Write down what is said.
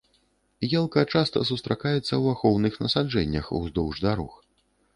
Елка часта сустракаецца ў ахоўных насаджэннях уздоўж дарог.